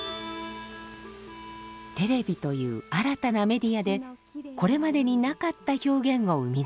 テレビという新たなメディアでこれまでになかった表現を生み出す。